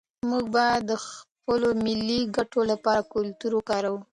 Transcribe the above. موږ باید د خپلو ملي ګټو لپاره کلتور وکاروو.